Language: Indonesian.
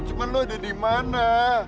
cuman lu ada dimana